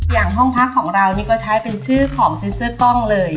ห้องพักของเรานี่ก็ใช้เป็นชื่อของเซ็นเซอร์กล้องเลย